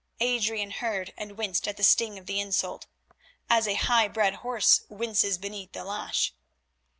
Adrian heard and winced at the sting of the insult, as a high bred horse winces beneath the lash.